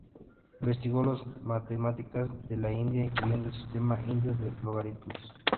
Investigó las matemáticas de la India, incluyendo el sistema indio de logaritmos.